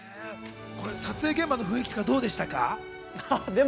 撮影現場の雰囲気どうでしたか？